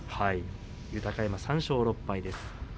豊山、３勝６敗です。